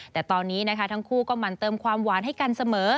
แต่ตอนนี้นะคะทั้งคู่ก็มันเติมความหวานให้กันเสมอ